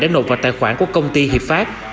để nộp vào tài khoản của công ty hiệp pháp